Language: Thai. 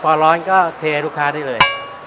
พอร้อนก็เทลูกค้าได้เลย